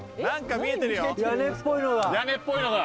見えてる。